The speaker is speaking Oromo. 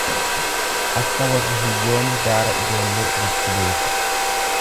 Akka warri hiyyoome daara ijoollee iratti beeku.